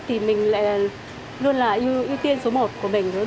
thì mình lại luôn là ưu tiên số một của mình